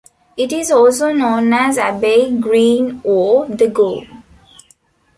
It is also known as Abbey Green or the Gow.